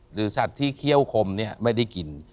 หรือสัตว์ที่เคี้ยวคมเนี่ยไม่ได้กิน